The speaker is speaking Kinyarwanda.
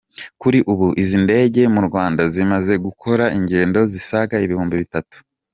Kuri ubu izi ndege mu Rwanda zimaze gukora ingendo zisaga ibihumbi bitatu.